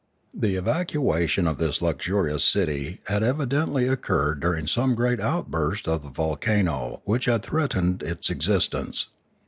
The evacuation of this luxurious city had evidently occurred during some great outburst of the volcano which had threatened its existence.